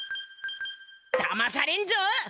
だまされんぞ！